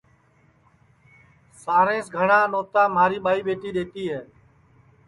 اور سارے سے گھٹؔا نوتا مہاری ٻائی ٻیٹی دؔیتی ہے